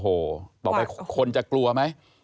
บอกไปคนจะกลัวไหม